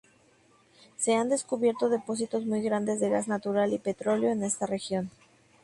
Se han descubierto depósitos muy grandes de gas natural y petróleo en esta región.